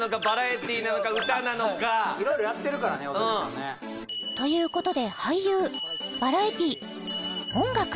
いろいろやってるからね尾崎君ねということで俳優バラエティー音楽